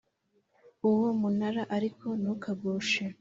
uwo munara ariko ntukagushe